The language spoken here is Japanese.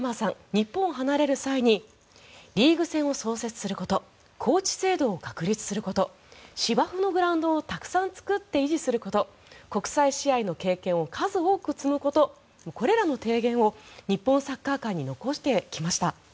日本を離れる際にリーグ戦を創設することコーチ制度を確立すること芝生のグラウンドをたくさん作って維持すること国際試合の経験を数多く積むことこれらの提言を日本サッカー界に残してきました。